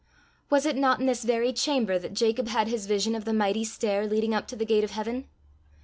Was it not in this very chamber that Jacob had his vision of the mighty stair leading up to the gate of heaven!